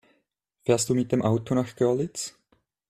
Fährst du mit dem Auto nach Görlitz?